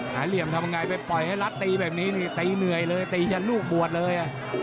เหลี่ยมทำไงไปปล่อยให้รัฐตีแบบนี้นี่ตีเหนื่อยเลยตียันลูกบวชเลย